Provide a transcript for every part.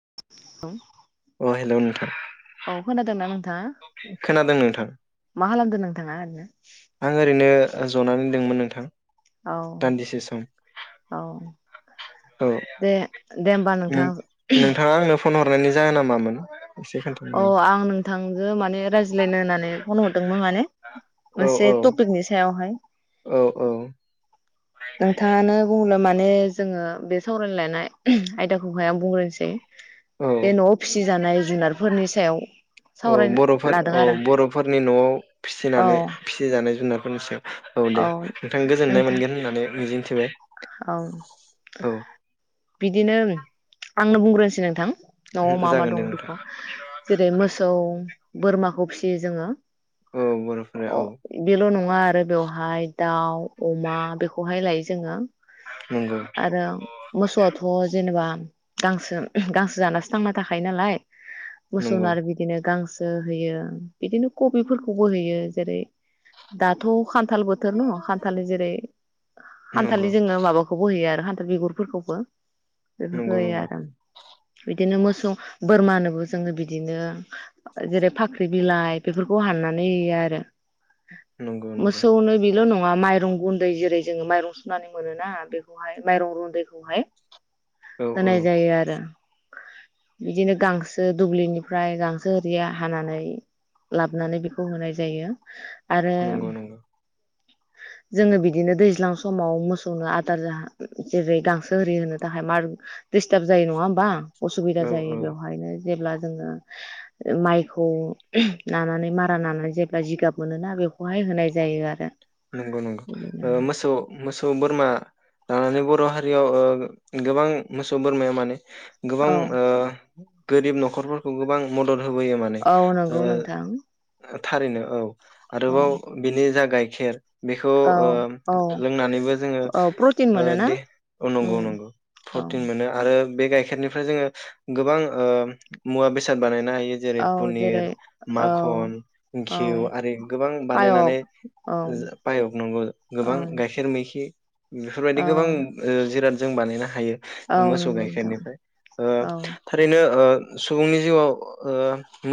[inaudible] अ हेल' नोंथां खोनादोंना नोंथाङा खोनादों नोंथां? मा खालामदों नोंथाङा ओरैनो आं ओरैनो जनानै दंमोन नोंथां। औ दान्दिसे सम औ औ दे दे होमबा नों नोंथां। नोंथाङा आंनो फन हरनायनि जाहोना मामोन? एसे खोन्थानो अ हागोन? आं नोंथांजों। माने रायज्लायनो होननानै फन हरदोंमोन माने। औ मोनसे औ टपिकनि सायाव। [unintelligible] औ औ नोंथाङानो बुंल मानो मानो जोङो बे सावरायलायनाय आयदाखौहाय आं बुंग्रोनोसै। औ बे न'आव फिसिजानाय जुनारफोरनि सायाव औ सावरायनो बर'फोर, लादों औ आरो बर'फोरनि न'आव औ फिनानै फिसिजानाय जुनार। [unintelligible] औ दे नोंथां गोजोननाय नोंथां मोनगोन होननानै मिजिं [inaudible] औ। बिदिनो आंनो बुंग्रोनोसै नोंथां। न'आव मा मा जागोन दे दं नोंथां बेखौ। जेरै मोसौ बोरमाखौ फिसियो जोङो। औ बर'फोरा औ बेल' नङा आरो बेवहाय दाउ अमा बेखौहाय लायो। जोङो। नंगौ आरो मसौआथ' जेन जेनेबा गांसो गांसो जानासो थांना थाखायो नालाय। मोसौनो नंगौ आरो बिदिनो गांसो ओ होयो बिदिनो कबिफोरखौबो होयो जेरै दाथ' खानथाल बोथोर न' खानथालनि जेरै नंगौ खानथालनि जोङो माबाखौ बो होयो आरो खान बेगरफोरखौ बो बेफोरखौ नंगौ होयो नंगौ आरो बिदिनो मो [inaudible] बोरमानोबो जोङो बिदिनो। जेरै फाख्रि बिलाइ। बेफोरखौ हाननानै होयो आरो। नंगौ नंगौ [inaudible] मोसौनो बिल' नङा माइरं गुनदै जेरै जोङो माइरं सुनानै मोनोना बेखौहाय माइरं रुनदैखौ खौहाय औ औ होनाय जायो आरो बिदिनो गांसो दुब्लिनिफ्राय गांसो आरिया हानानै लाबोनानै बेखौ होनाय जायो आरो नंगौ नंगौ जोङो बिदिनो दैज्लां समाव मोसौनो आदार जेरै गांसो गांसो आरि होनो थाखाय दिस्टार्ब जायो नङा होमबा असुबिदा औ जायो औ बेवहायनो जेब्ला जोङो माइखौ नानानै मारा नानानै जेब्ला जिगाब मोनोना बेखौहाय होनाय जायो आरो नंगौ नंगौ मोसौ मोसौ बोरमा लानानै बर' हारियाव गोबां मोसौ बोरमाया माने गोबां औ ओ गोरिब न'खरफोरखौबो बां मदद होबोयो माने औ ओ नंगौ नोंथां ओ थारैनो औ औ आरोबाव बिनि जा गाय खेर बेखौ औ ओ औ लोंनानैबो जोङो औ प्रटिन ओ मोनोना दे नंगौ उम नंगौ औ प्रटिन मोनो आरो बे गाइखेरनिफ्राय जोङो गोबां ओ मुवा बेसाद बानायनो हायो गे जेरै औ जेरै पनिर औ माखन औ घिउ आरि गोबां पायक बानायनानै औ जो फायख नंगौ औ गोबां गाइखेर मैखि बेफोरबायदि गोबां ओ जिराद जों बानायनो हायो। औ मोसौ नंगौ नोंथां गाइखेरनिफ्राय ओ औ थारैनो ओ सुबुंनि जिउआव ओ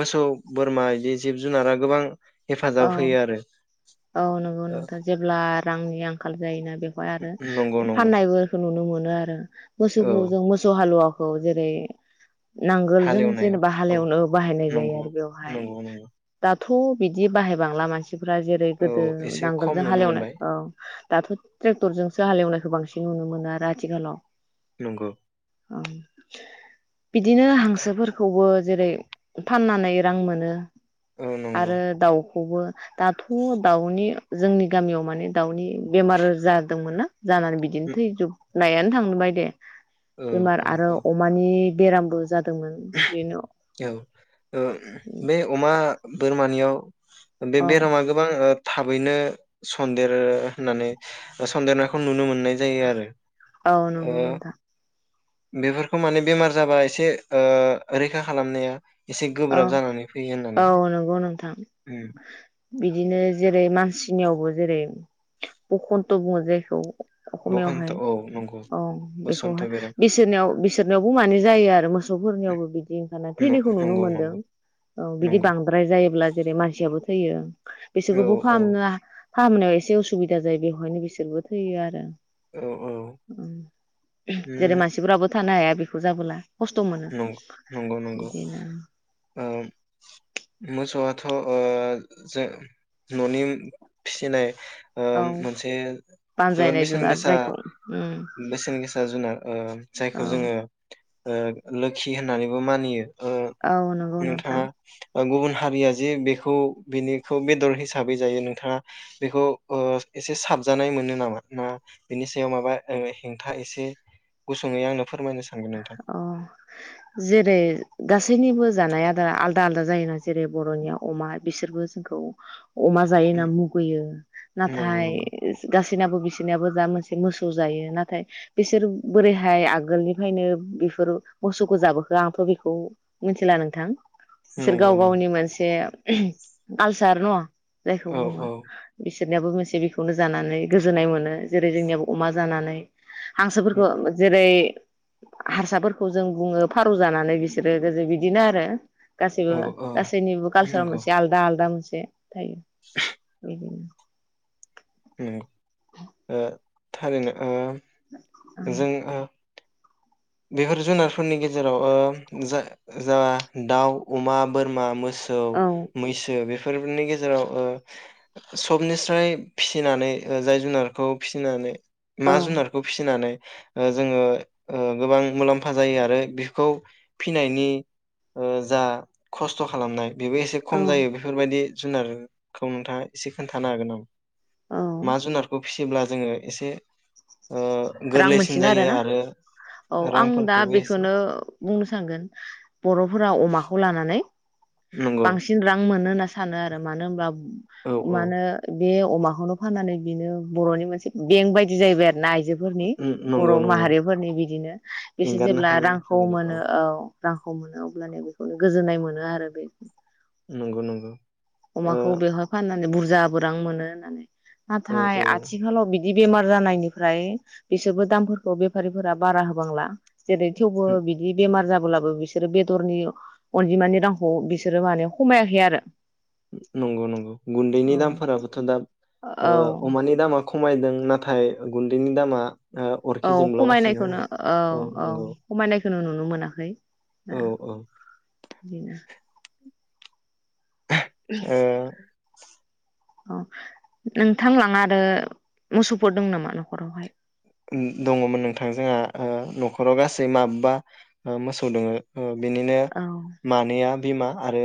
मोसौ बोरमा इदि जिब जुनारा गोबां हेफाजाब होयो आरो ओ नंगौ नोंथा जेब्ला रांनि नि आंखाल जायोनाब बेहाय आरो नंगौ नंगौ फाननाय बोरखो नुनो मोनो आरो औ मोसौखोजों मोसौ हालुवा खौ जेरै नांगोलजों हालेवनायाव जेनेबा औ हालेवनो बाहायनाय जायो नंगौ आरो बेवहाय नंगौ नंगौ दाब थ बिद दि बाहायबांला मानस फ्रा जेरै औ गोदो एसे खम नांगोलजों नुनो हालेवनाय मोनबाय औ दाथ ट्रेक्टरजोंसो हालेवनायखो बांसिन नुनो मोनो आरो आथिखालाव । नंगौ ओं बिदिनो हांसोफोरखौबो जेरै फाननानै रां मोनो । औ नंगौ खौबो दाथ दाउनि जोंनि गामियाव माने दाउनि बेमार जादोंमोन ना? जानानै बिदिनो उम, थैजुब नायानो थांनोबाय दे औ बेमार औ आरो औ अमानि बेरामबो जाद औ ओ बे अमा बोरमानियाव बे औ बेरामा गोबां ओ थाबैनो सन्देरो होननानै सन्देरनायखौ नुनो मोन नाय जायो आरो औ ओ नंगौ नोंथां बेफोरखौ माने बेमार जाबा एसे ओ रैखा खालामनाया एसे औ गोब्राब जानानै फैयो होननानै औ नंगौ नोंथां उम बिदिनो जेरै मानसिनियावबो जेरै बखन्त बुङो जेखौ बखन्थ' अखमियावहाय औ नंगौ अ बसन्थ' बेखौहाय बेराम बिसोरनियाव बिसोरनियावबो माने जायो आरो मोसौफोरनियावबो बिदि ओंखारना थैनायखौ नुनो नंगौ मोन नंगौ औ बिदि नंगौ बांद्राय जायोब्ला जेरै मानसिया बो थैयो ओं औ बिसोरखौबो औ फाहामनो फाहामनायाव एसे असुबिदा जायो बेवहायनो बिसोरबो थैयो आरो औ औ उम जेरै उम मानसिफोराबो थानो हाया बेखौ जाबोला खस्थ मोनो नं नंगौ नंगौ बिदिनो ओ मोसौआथ ओ जो ननि फिसिनाय ओ औ मोनसे जोबोर बानजायनाय बेसेन जुनार गोसा जायखौ उम बेसेन गोसा जुनार ओ औ जायखौ जोंङो ओ लोखि होननानैबो मानियो। ओ औ नंगौ नोंथां नोंथाङा । गुबुन हारिया जे बेखौ बिनिखौ बेदर हिसाबै जायो नोंथाङा बेखौ ओ एसे साबजानाय मोनो नामा ना बेनि सायाव माबा हेंथा एसे गुसुङै आंनो फोरमायनो सानगोन नोंथां। औ जेरै गासैनिबो जानाय आदारा आलदा आलदा जायोना जेरै बर'निया अमा बिसोरबो जोंखौ अमा जायो होनना उम, मुगैयो नंगौ नाथाय नंगौ गासै सिनाबो बिसिनाबो जा मोनसे मोसौ जायो नाथाय बेसोर बोरैहाय आगोलनि फ्रायनो बिफोर मोसौखौ जाबोखो आंथ' बेखौ मिथिला नोंथां। बिसोर नंगौ गाव नंगौ गावनि मोनसे उम आलसार न जायखौ औ बुङो औ बिसि सोरनियाबो मोनसे बेखौनो जानानै गोजोननाय मोनो जेरै जोंनियाबो अमा जानानै। उम, हांसोफोरखौ जेरै हारसाफोरखौ जों बुङो फारौ जानानै बिसोरो गोदो बिदिनो आरो। औ गासैबो औ गासैनिबो कालसाराव नंगौ मोनसे आलदा आलदा मोनसे से थायो। [unintelligible] उम। नंगौ। ओ। थारैनो ओ जोङो बेफोर जुनारफोरनि गेजेराव ओ जा-जा दाउ अमा बोरमा मोस सौ औ मैसो बेफो फोरनि गेजेराव ओ सबनिस्राय फिसिनानै जाय जुनारखौ फिसिनानै औ मा जुनारखौ फिसिनानै ओ जोङो ओ गोबां मुलाम्फा जायो आरो बिखौ फिनायनि ओ जा खस्थ' खालामनाय बेबो एसे औ खम जायो बेफोरबायदि जुनारखौ नोंथाङा एसे खोन्थानो हागोन नामा? औ मा जुनारखौ फि जेब्ला जोङो एसे ओ रां गोरलैसिन मोनथिनो जायो आरोना आरो औ आं दा रांफोरखौबो एसे बेखौनो बुंनो सानगोन बर'फोरा अमाखौ लानानै नंगौ बांसिन रां मोनो होनना सानो आरो मानो होनब्ला औ औ मानो बे अमाखौनो फाननानै बिनो बरनि मोनसे बेंक बायदि जाहैबाय आरो ना आइजो, फोरनि उम बर' नंगौ नंगौ माहारिफोरनि बिदिनो बिसोर एंगारनो जेब्ला हायोमोन रांखौ जोङो मोनो औ औ रांखौ मोनो अब्लानो बेखौनो गोजोननाय मोनो आरो बे नंगौ नंगौ ओ अमाखौ बेयाव फानना बुरजाबो रां मोनो होननानै औ नाथाय औ आथिखालाव बिद बिदि बेमार जानायनिफ्राय बिसोरबो दामफोरखौ बेफारिफोरा बारा होबांला, जेरै थेवबो उम, बिदि बेमार जाब अब्लाबो बिसोरो बेदरनि अनजिमानि रांखौ बिसोरो माने खमायाखै आरो नंगौ नंगौ गुन्दैनि औ दामफोराबोथ' दा औ ओ अमानि दामा खमायदों नाथाय गुन्दैनि दामा, ओ औ अरखि जोंब्लावगासिनो खमायनायखौनो होनो औ औ खमायनायखौनो नुनो नुनो मोनाखै औ औ ओ [unintelligible] ओं औ नोंथांलाङारो मोसौफोर दं नामा न'खरावहाय, दङमोन नोंथां जोंहा ओ न'खराव गासै माबबा मोसौ दोङो, बिनिनो औ मानैया, बिमा आरो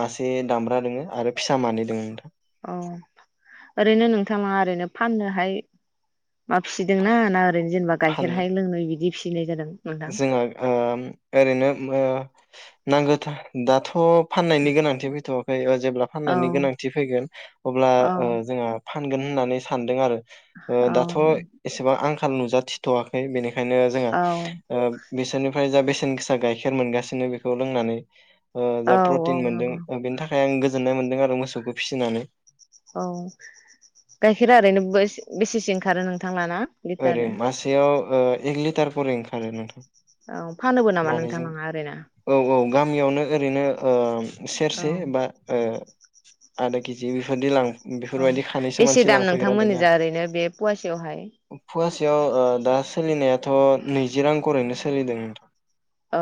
मासे दामब्रा दङो आरो फिसा मानै दोङो नोंथां अ ओरैनो नोंथाङा ओरैनो फाननोहाय माबा फिदोंना ना, जेनबा गाइखेर फाननो हाय लोंनाय बिदि फिस गिनाय जादों, नोंथां जोंहा ओ ओरैनो नांगौथा दाथ' फाननायनि गोनांथि फैथ', [unintelligible] जेब्ला औ फाननायनि गोनांथि फैगोन अब्ला औ ओ जोंहा, फानगोन होननानै सानदों आरो औ दाथ' एसेबां आंख थान नुजाथिथ' वाखै बेनिखायनो ओंखायनो जोङो। औ बिसोरनिफ्राय जा बेसेन गोसा गाइखेर मोनगासिनो बेखौ लोंनानै। औ जा औ प्रटिन मोनदों नंगौ बेनि थाखाय। ओमफ्राय आं गोजोननाय मोन्दों आरो मोसौखौ फिसिनानै। औ गाइखेरा ओरैनो बेसेसो ओंखारो नोंथांलाना। ओरै मासेयाव ओ एक लि। ओंखारो नोंथां। [unintelligible] नामा नोंथां मानैजों लाङा ओरैनो औ औ गामियावनो ओरैनो। ओ। सेरसे औ बा। आदा केजि बिफोरदि लां। अ बेफोरबायदि खानैसो बेसे मानसि दाम लांफैग्रा दङ नोंथांमोननि जा आरो ओरैनो बे फुवासेयावहाय याव ओ दा सोलिनायाथ' नैजि रां रैनो सोलिदों। [unintelligible] औ।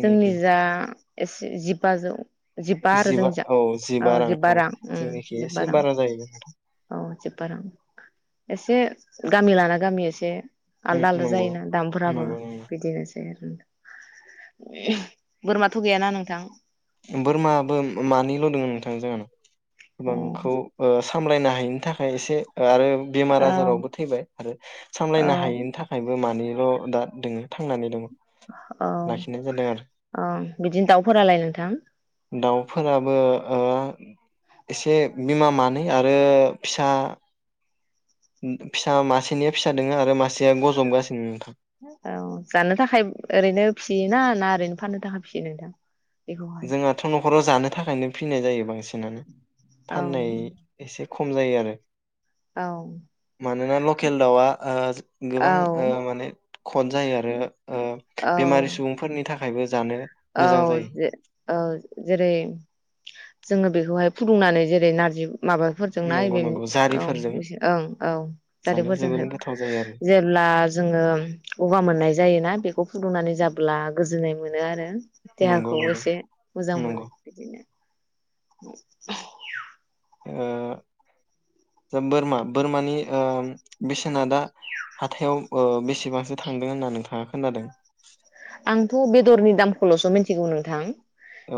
जोंनि जा एसे जिबाजौ जिबा आरो जोंनि जा औ औ जिबा जिबबा रां जोंनिखि जिबबा एसे रां बारा जाहैबाय नोंथां औ जिबबा रां एसे। गामि लाना गामि एसे। उम, आलदा आलदा नंगौ जायोना दामफोराबो। नंगौ नंगौ बिदिनोसै आरो। बोरमाथ' गैयाना नोंथां। बोरमाबो मानैल' दङ नोंथांनि जोंहानाव औ गोबांखौ ओ। सामलायनो हायिनि थाखाय एसे। ओ आरो बेमार औ आजारावबो थैबाय आरो औ सामलायनो हायैनि थाखायबो मानैल'। दा दोङो थांनानै दङ। औ लाखिनाय जादों आरो औ बिदिनो दाउफोरालाय नोंथां। दाउफोराबो ओ एसे बिमा मानै आरो फिसा। फिसा मासेनिया फिसा दोङो आरो मासेया गजबगासिनो नोंथां। औ जानो थाखाय ओरैनो फियोना ना ओरैनो फाननो थाखाय फिसियो नोंथां। बेखौहाय जोंहाथ' न'खराव जानो थाखायनो। फिननाय जायो बांसिन। आरो फाननाय औ एसे। खम जायो आरो। औ मानोना लकेल दाउआ ओ। गोबां ओ औ माने खद जायो आरो ओ बेमारि औ सुबुंफोरनि थाखाय थाखायबो जानो मोजां औ जायो। जे औ जेरै जोङो बेखौहाय फुदुंनानै जेरै नारजि माबाफोरजोंनाय नंगौ बे नंगौ औ जारिफोरजों ओं औ जानो दारिफोरजोंहाय जोबोरैनो गोथाव जायो आरो जेब्ला जोङो गगा मोननाय जायोना बेखौ फुदुंनानै जाब्ला गोजोननाय मोनो आरो नंगौ देहाखौ नंगौ एसे मोजां नंगौ मोनो बिदिनो [unintelligible] ओ दा बोरमा बोरमानि ओ बेसेना दा हाथायाव ओ बेसेबांसो थांदों होनना नोंथाङा खोनादों? आंथ' बेदरनि दामखौल'सो मिथिगौ नोंथां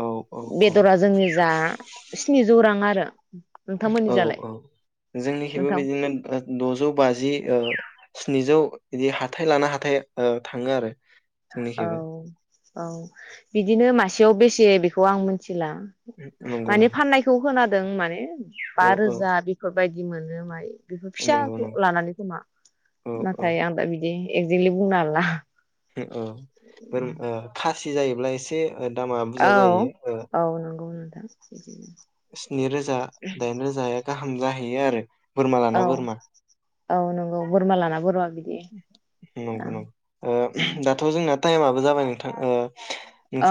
औ औ बेदरा जोंनि जा स्नि जौ रां आरो औ नोंथांमोननिजालाय औ जोंनिखिबो नोंथां बिदिनो द'जौ बाजि ओ स्निजौ बिदि हाथाय लाना हाथाय ओ थाङो आरो औ जोंनिखिबो औ बिदिनो मासेयाव बेसे बेखौ आं मोनथि थिला नंगौ माने नंगौ फाननायखौ खोना दों माने बा औ औ रोजा बेफोरबायदि मोनो मायो बेफोर नंगौ फिसाखौ नंगौ लानानै खोमा औ औ नाथाय आं दा बिदि एकजेक्लि बुंनो हाला। उम औ बोर ओ खासि जायोब्ला एसे ओ दामा औ बुरजा जायो ओ औ नंगौ नोंथां। बिदिनो स्नि रोजा दाइन रोजाया गाहाम जाहैयो आरो बोरमा औ लाना बोरमा। औ नंगौ बोरमा लाना बोरमा। बिदि औ नंगौ नंग औ ओ दाथ' जोंना टाइमाबो जाबाय नोंथां ओ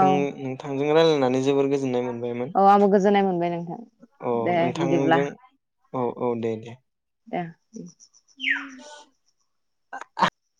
औ नोंथां जों रायलायनानै जोबोर गोजोन्नाय मोनदों। अ आंबो गोजोननाय मोनबाय नोंथां दे बिदिब्ला नोंथांजों अ औ दे दे दे [inaudible] [inaudible]